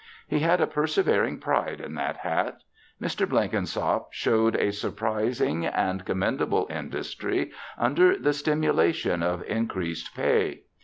He had a persevering pride in that hat. Mr. Blenkinsop showed a surprising and commendable industry under the stimulation of increased pay.